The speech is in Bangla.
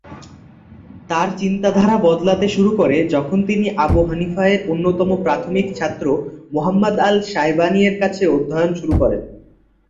তার চিন্তাধারা বদলাতে শুরু করে যখন তিনি আবু হানিফা এর অন্যতম প্রাথমিক ছাত্র, মুহাম্মদ আল-শায়বানি এর কাছে অধ্যয়ন শুরু করেন।